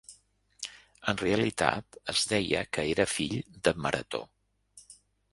En realitat es deia que era fill de Marató.